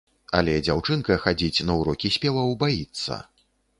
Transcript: Але дзяўчынка хадзіць на ўрокі спеваў баіцца.